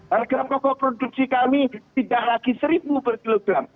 harga pokok produksi kami tidak lagi rp satu per kilogram